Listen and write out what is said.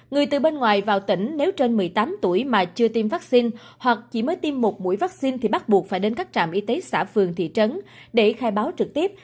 người từ bên ngoài vào tỉnh nếu trên một mươi tám tuổi mà chưa tiêm vaccine hoặc chỉ mới tiêm một mũi vaccine thì bắt buộc phải đến các trạm y tế xã phường thị trấn để khai báo trực tiếp